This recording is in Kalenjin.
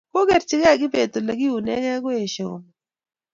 kokerchigei kibet ole kiunegei akoesho komong